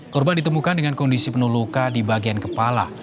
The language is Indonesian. korban ditemukan dengan kondisi penuh luka di bagian kepala